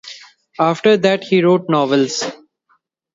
After that he wrote novels.